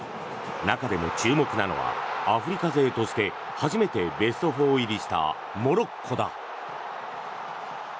中でも注目なのはアフリカ勢として初めてベスト４入りしたモロッコだ。